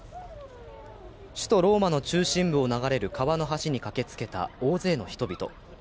首都ローマの中心部を流れる川の橋に駆けつけた大勢の人々。